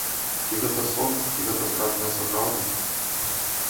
Ці гэта сон, ці гэта страшная сапраўднасць?!